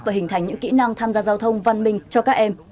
và hình thành những kỹ năng tham gia giao thông văn minh cho các em